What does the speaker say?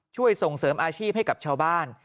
ช่วยส่งเสริมอาชีพให้กับชาวบ้าน